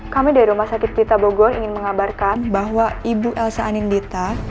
kami dari rumah sakit pita bogor ingin mengabarkan bahwa ibu elsa anindita